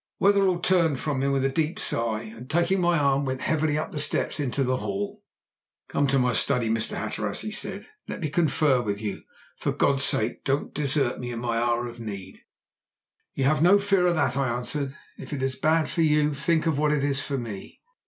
Wetherell turned from him with a deep sigh, and taking my arm went heavily up the steps into the hall. "Come to my study, Mr. Hatteras," he said, "and let me confer with you. For God's sake don't desert me in my hour of need!" "You need have no fear of that," I answered. "If it is bad for you, think what it is for me."